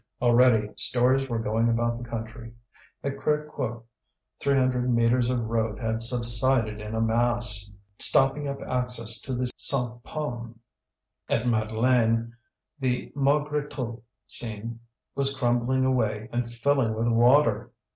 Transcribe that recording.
Already stories were going about the country: at Crévecoeur three hundred metres of road had subsided in a mass, stopping up access to the Cinq Paumes; at Madeleine the Maugrétout seam was crumbling away and filling with water.